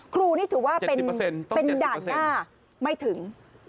ครูนี่ถือว่าเป็นด่านหน้าไม่ถึง